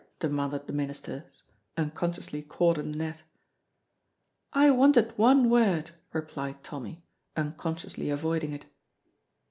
demanded the ministers, unconsciously caught in the net. "I wanted one word," replied Tommy, unconsciously avoiding it.